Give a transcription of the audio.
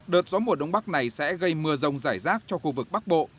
đợt gió mùa đông bắc này sẽ gây mưa rông rải rác cho khu vực bắc bộ